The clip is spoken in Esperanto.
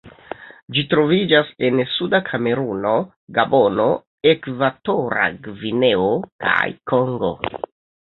Ĝi troviĝas en suda Kameruno, Gabono, Ekvatora Gvineo, kaj Kongo.